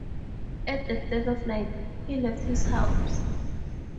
At the dead of night, he left his house.